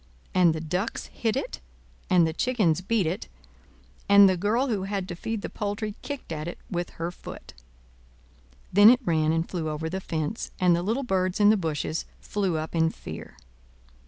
And the ducks hit it, and the chickens beat it, and the girl who had to feed the poultry kicked at it with her foot. Then it ran and flew over the fence, and the little birds in the bushes flew up in fear.